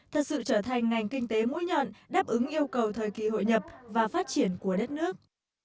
thật sự trở thành ngành kinh tế mũi nhọn đáp ứng yêu cầu thời kỳ hội nhập và phát triển của đất nước